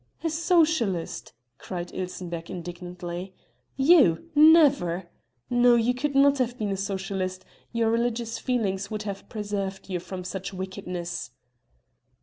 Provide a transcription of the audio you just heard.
"A socialist!" cried Ilsenbergh indignantly. "You! never. No, you could not have been a socialist; your religious feelings would have preserved you from such wickedness!"